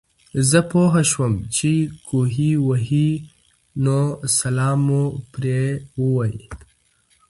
زۀ پوهه شوم چې کوهے وهي نو سلام مو پرې ووې